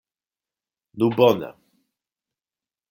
Nu bone!